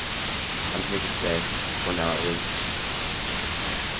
I'm here to stay ... for now at least.